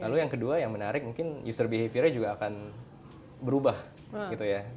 lalu yang kedua yang menarik mungkin user behaviornya juga akan berubah gitu ya